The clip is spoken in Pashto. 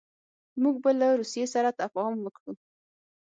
موږ به له روسیې سره تفاهم وکړو.